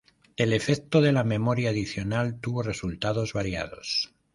El efecto de la memoria adicional tuvo resultados variados.